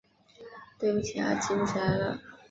对不起啊记不起来了